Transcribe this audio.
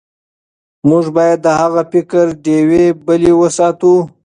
موږ باید د هغه د فکر ډیوې بلې وساتو.